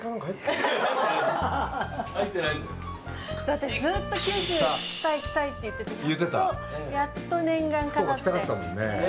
私ずっと「九州来たい来たい」って言っててやっと念願かなって。